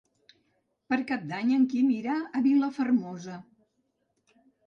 Per Cap d'Any en Quim irà a Vilafermosa.